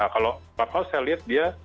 kalau clubhouse saya lihat